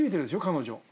彼女。